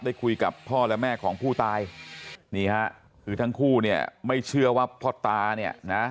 คุยกับพ่อและแม่ของผู้ตายนี่ฮะคือทั้งคู่เนี่ยไม่เชื่อว่าพ่อตาเนี่ยนะ